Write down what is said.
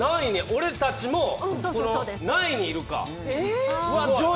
俺たちも何位にいるか。